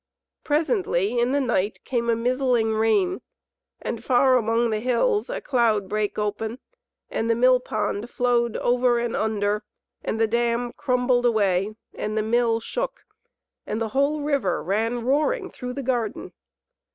Presently in the night came a mizzling rain, and far among the hills a cloud brake open, and the mill pond flowed over and under, and the dam crumbled away, and the Mill shook, and the whole river ran roaring through the garden.